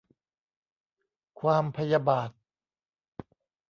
ความพยาบาท